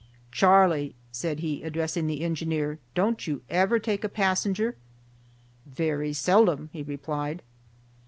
"Charlie," said he, addressing the engineer, "don't you ever take a passenger?" "Very seldom," he replied.